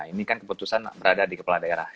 ini kan keputusan berada di kepala daerah